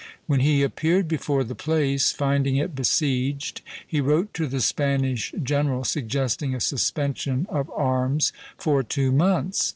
When he appeared before the place, finding it besieged, he wrote to the Spanish general suggesting a suspension of arms for two months.